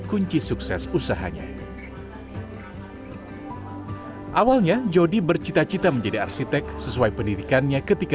kunci sukses usahanya awalnya jody bercita cita menjadi arsitek sesuai pendidikannya ketika